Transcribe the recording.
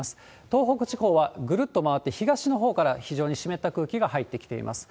東北地方はぐるっと回って東のほうから、非常に湿った空気が入ってきています。